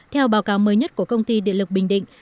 theo báo cáo mới nhất của công ty điện lực bình định